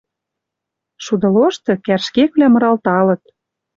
Шуды лошты кӓрш кеквлӓ мыралталыт...